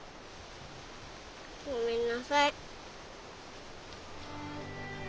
ごめんなさい。